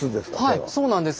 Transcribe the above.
はいそうなんです。